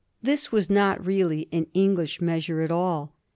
This was not really an English measure at all.